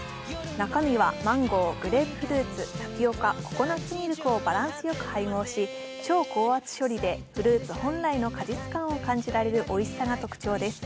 中身はマンゴー、グレープフルーツ、タピオカ、ココナッツミルクをバランスよく配合し、超高圧処理でフルーツ本来の果実感を感じられるおいしさが特徴です。